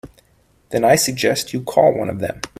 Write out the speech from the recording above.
Then I suggest you call one of them.